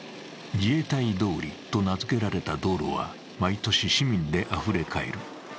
自衛隊通りと名付けられた道路は毎年市民があふれ返る。